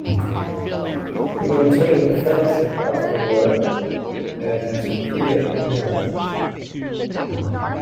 He maintained a friendship afterward and has appeared at Merlefest.